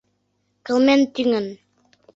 — Кылмен тӱҥын.